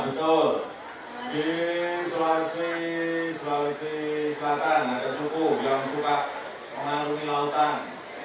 betul di sulawesi sulawesi selatan ada suku yang suka mengandungi lautan